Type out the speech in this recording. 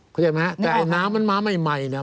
เข้าใจไหมฮะแต่ไอ้น้ำมันมาใหม่ใหม่เนี่ย